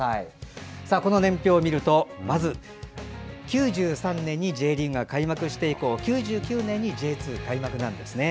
この年表を見ると、まず９３年にＪリーグが開幕して以降９９年にＪ２開幕なんですね。